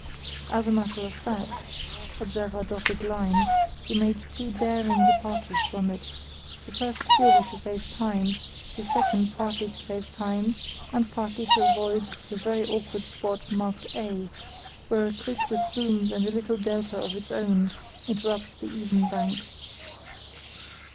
As a matter of fact—observe our dotted line—he made two daring departures from it, the first purely to save time, the second partly to save time and partly to avoid the very awkward spot marked A, where a creek with booms and a little delta of its own interrupts the even bank.